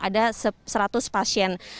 ada seratus pasien